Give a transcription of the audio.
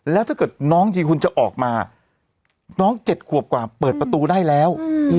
แล้วถ้าเกิดน้องจริงคุณจะออกมาน้อง๗ขวบกว่าเปิดประตูได้แล้ว